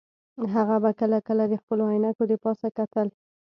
هغه به کله کله د خپلو عینکې د پاسه کتل